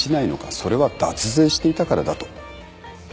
それは脱税していたからだと。